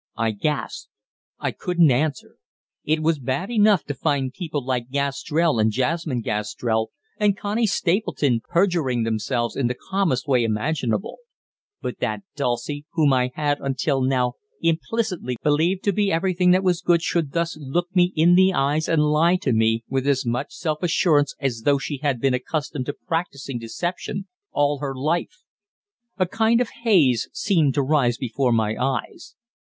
I gasped. I couldn't answer. It was bad enough to find people like Gastrell and Jasmine Gastrell and Connie Stapleton perjuring themselves in the calmest way imaginable; but that Dulcie, whom I had until now implicitly believed to be everything that was good should thus look me in the eyes and lie to me with as much self assurance as though she had been accustomed to practising deception all her life. A kind of haze seemed to rise before my eyes.